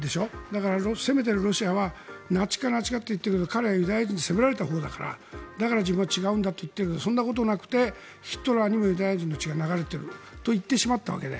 だから、攻めているロシアはナチ化、ナチ化と言ってるけど彼はユダヤ人で攻められたほうだから自分は違うんだと言っているけどそんなことなくてヒトラーにもユダヤ人の血が流れているといってしまった。